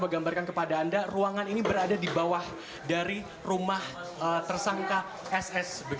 gambarkan kepada anda ruangan ini berada di bawah dari rumah tersangka ss